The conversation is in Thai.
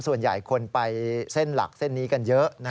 ส่วนใหญ่คนไปเส้นหลักเส้นนี้กันเยอะ